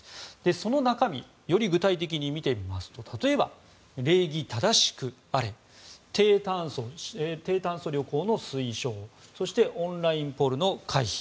その中身より具体的に見てみますと例えば、礼儀正しくあれ低炭素旅行の推奨そして、オンラインポルノ回避